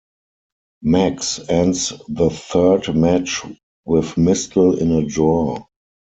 Max ends the third match with Mystel in a draw.